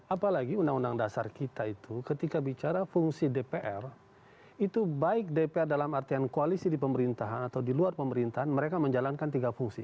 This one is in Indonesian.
apalagi undang undang dasar kita itu ketika bicara fungsi dpr itu baik dpr dalam artian koalisi di pemerintahan atau di luar pemerintahan mereka menjalankan tiga fungsi